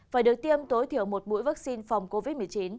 phải được tiêm tối thiểu một mũi vaccine phòng covid một mươi chín